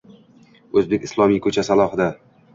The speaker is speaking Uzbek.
o’zbek “islomiy ko’chasi” alohida.